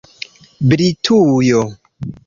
Britujo